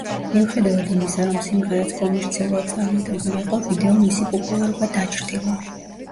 მიუხედავად იმისა, რომ სიმღერაც კომერციულად წარმატებული იყო, ვიდეო მისი პოპულარობა დაჩრდილა.